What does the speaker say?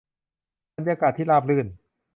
บรรยากาศที่ราบรื่น